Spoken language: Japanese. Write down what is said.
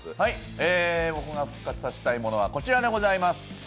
僕が復活させたいものはこちらでございます。